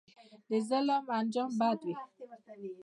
د ظلم انجام بد وي